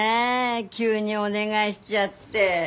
急にお願いしちゃって。